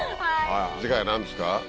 次回は何ですか？